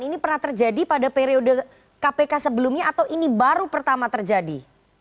ini pernah terjadi pada periode kpk sebelumnya atau ini baru pertama terjadi